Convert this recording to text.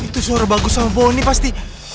itu suara bagus sama boni pasti